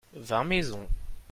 vingt maisons.